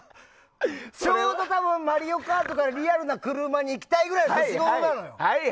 ちょうど「マリオカート」からリアルな車に行きたい年ごろなのよ。